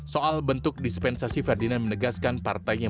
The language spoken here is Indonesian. soal bentuk dispensasi ferdinand menegaskan partainya